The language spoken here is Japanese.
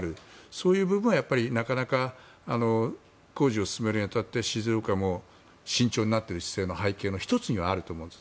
そういう部分はなかなか工事を進めるに当たって静岡も慎重になっている姿勢の背景の１つにはあると思うんです。